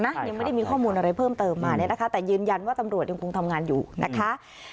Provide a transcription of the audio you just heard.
ยังไม่ได้มีข้อมูลอะไรเพิ่มเติมมาเนี่ยนะคะแต่ยืนยันว่าตำรวจยังคงทำงานอยู่นะคะ